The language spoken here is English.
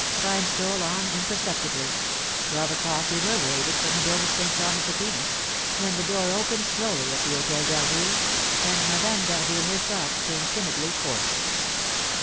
Time stole on imperceptibly; twelve o'clock reverberated from the dome of St. Thomas Aquinas, when the door opened slowly at the Hôtel d'Harville, and Madame d'Harville herself came timidly forth.